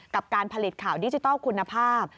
กับการผลิตข่าวดิจิทัลคุณภาพ